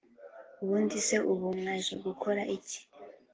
ubundise ubu mwaje gukora iki